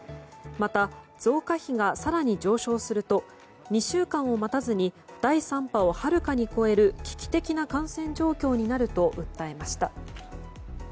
また、増加比が更に上昇すると２週間を待たずに第３波をはるかに超える危機的な感染状況になると訴えました。